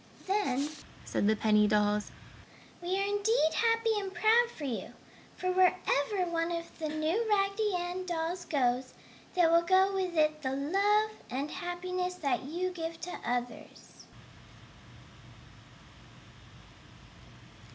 "Then," said the penny dolls, "we are indeed happy and proud for you! For wherever one of the new Raggedy Ann dolls goes there will go with it the love and happiness that you give to others."